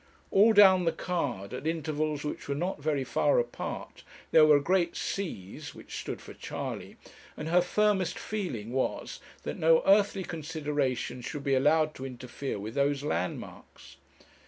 All down the card, at intervals which were not very far apart, there were great C's, which stood for Charley, and her firmest feeling was that no earthly consideration should be allowed to interfere with those landmarks.